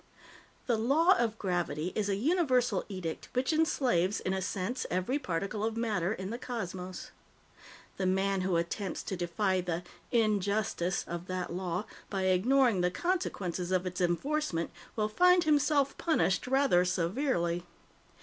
The Law of Gravity is a universal edict which enslaves, in a sense, every particle of matter in the cosmos. The man who attempts to defy the "injustice" of that law by ignoring the consequences of its enforcement will find himself punished rather severely.